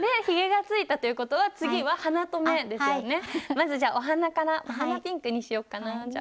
まずじゃあお鼻からお鼻ピンクにしよっかなぁ。